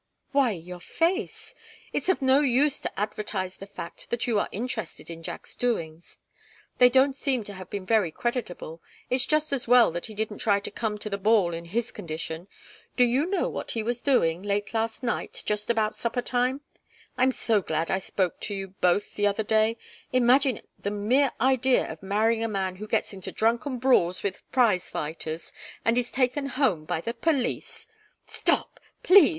"Why your face! It's of no use to advertise the fact that you are interested in Jack's doings. They don't seem to have been very creditable it's just as well that he didn't try to come to the ball in his condition. Do you know what he was doing, late last night, just about supper time? I'm so glad I spoke to you both the other day. Imagine the mere idea of marrying a man who gets into drunken brawls with prize fighters and is taken home by the police " "Stop please!